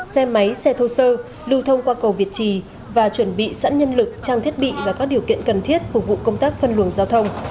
xe máy xe thô sơ lưu thông qua cầu việt trì và chuẩn bị sẵn nhân lực trang thiết bị và các điều kiện cần thiết phục vụ công tác phân luồng giao thông